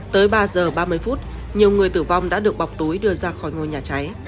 tới ba giờ ba mươi phút nhiều người tử vong đã được bọc túi đưa ra khỏi ngôi nhà cháy